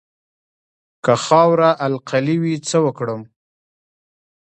که خاوره القلي وي څه وکړم؟